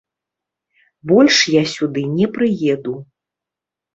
Больш я сюды не прыеду.